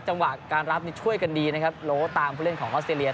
จังหวะการรับนี่ช่วยกันดีนะครับโล้ตามผู้เล่นของออสเตรเลีย